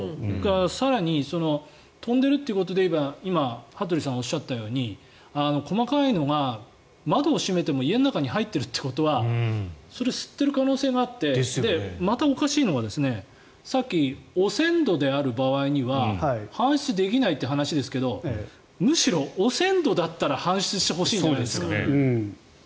更に飛んでいるということでいえば今羽鳥さんがおっしゃったように細かいのが、窓を閉めても家の中に入っているということはそれ、吸っている可能性があってまたおかしいのがさっき汚染土である場合には搬出できないという話ですけどむしろ汚染土だったら搬出してほしいですよね。